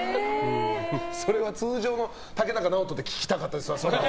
それが通常の竹中直人で聞きたかったです。